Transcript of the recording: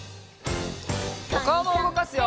おかおもうごかすよ！